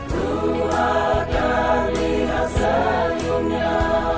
ku akan lihat senyumnya